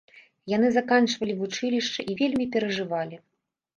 Яны заканчвалі вучылішча і вельмі перажывалі.